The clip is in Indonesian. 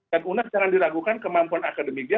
dan unhas jangan diragukan kemampuan akademiknya